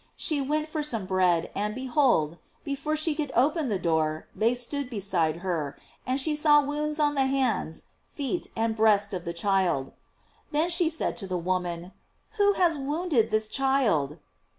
She went for some bread, and, behold, before she could open the door, they stood beside her, and she saw woundi on the hands, feet, and breast of the child. 408 GLORIES OF MARY. Then she said to the woman: ''Who has wounded this child?"